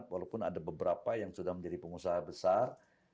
walaupun ada beberapa yang sudah menjadi pengusaha besar